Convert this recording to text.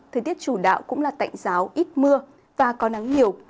thời tiết chủ đạo cũng là tạnh giáo ít mưa và có nắng nhiều